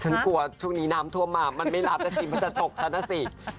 ฉันกลัวทรงนี้น่ามทั่วมามมันเป็นธักตกมาก